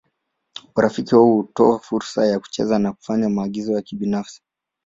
Urafiki wao hutoa fursa ya kucheza na kufanya maagizo ya kibinafsi.